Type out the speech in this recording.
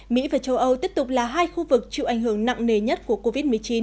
mỹ và châu âu tiếp tục là hai khu vực chịu ảnh hưởng nặng nề nhất của covid một mươi chín